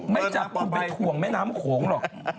ไม่จับคุณไปถ่วงแม่น้ำโขงหรอก